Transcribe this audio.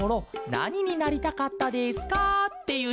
なにになりたかったですか？」っていうしつもんだケロ。